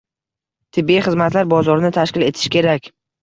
Tibbiy xizmatlar bozorini tashkil etish kerak.